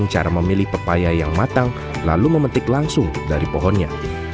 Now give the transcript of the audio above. cara memilih pepaya yang matang lalu memetik langsung dari pohonnya